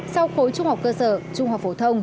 sau khối trung học cơ sở trung học phổ thông